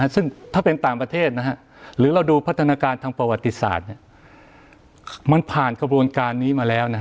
ซึ่งถ้าเป็นต่างประเทศหรือเราดูพัฒนาการทางประวัติศาสตร์มันผ่านกระบวนการนี้มาแล้ว